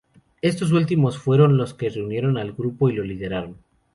Estos últimos fueron los que reunieron al grupo y lo lideraron.